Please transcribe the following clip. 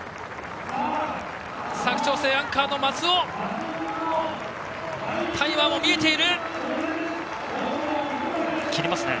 佐久長聖、アンカーの松尾タイムはもう見えている！